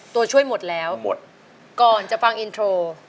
ตัวช่วยหมดแล้วหมดก่อนจะฟังอินโทร